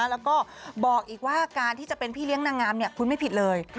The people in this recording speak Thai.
แล้วก็บอกอีกว่าการที่จะเป็นพี่เลี้ยงนางงามคุณไม่ผิดเลย